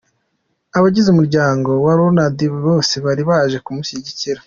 Abagize umuryango wa Ronaldo bose bari baje kumushyigikira.